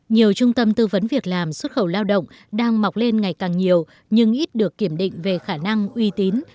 nhiều trung tâm tư vấn việc làm xuất khẩu lao động đang mọc lên ngày càng nhiều nhưng ít được kiểm định về khả năng uy tín